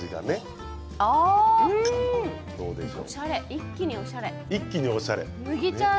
一気におしゃれ。